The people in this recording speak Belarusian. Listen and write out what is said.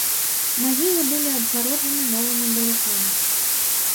Магілы былі абгароджаны новымі балясамі.